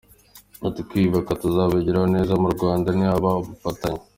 Ati: “ Kwiyubaka tuzabigeraho neza mu Rwanda nihaba ubufatanye.